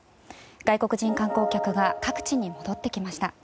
外国人観光客が各地に戻ってきました。